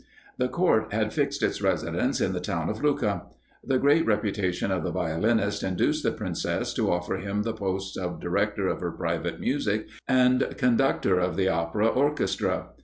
The Court had fixed its residence in the town of Lucca. The great reputation of the violinist induced the Princess to offer him the posts of director of her private music, and conductor of the opera orchestra.